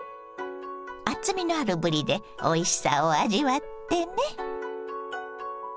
厚みのあるぶりでおいしさを味わってね。